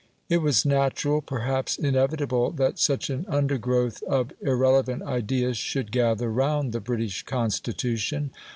It was natural perhaps inevitable that such an under growth of irrelevant ideas should gather round the British Constitution.